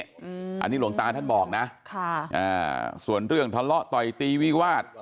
อันนี้หลวงตาท่านบอกนะค่ะอ่าส่วนเรื่องทะเลาะต่อยตีวิวาส